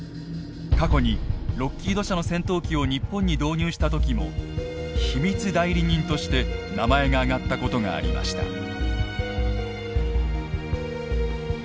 過去にロッキード社の戦闘機を日本に導入した時も秘密代理人として名前が挙がった事がありました。